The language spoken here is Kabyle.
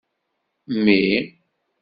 Mmi.